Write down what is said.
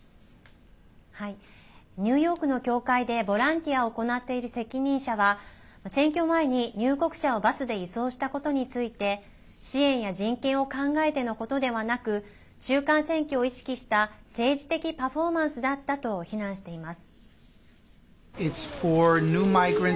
ニューヨークの教会でボランティアを行っている責任者は選挙前に入国者をバスで輸送したことについて支援や人権を考えてのことではなく中間選挙を意識した政治的パフォーマンスだったと非難しています。